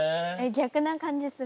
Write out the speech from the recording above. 逆な感じする。